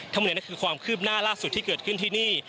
ทั้งหมดนี้คือความคืบหน้าล่าสุดที่เกิดขึ้นที่นี่